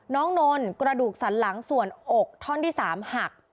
นนท์กระดูกสันหลังส่วนอกท่อนที่๓หัก